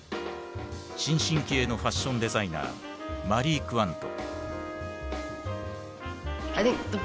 新進気鋭のファッションデザイナーマリー・クワント。